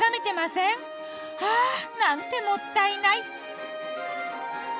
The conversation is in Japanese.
ああなんてもったいない。